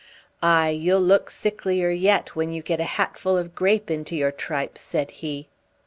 "Aye, you'll look sicklier yet, when you get a hatful of grape into your tripes," said he.